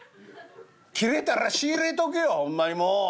切れたら仕入れとけよほんまにもう。